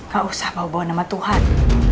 gak usah kamu bawa nama tuhan